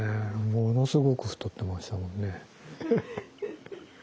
ものすごく太ってましたもんね。